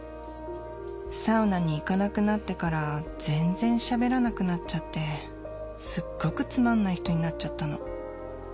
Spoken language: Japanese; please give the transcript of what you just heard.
サウナに行かなくなってから全然しすっごくつまんない人になっちゃったの。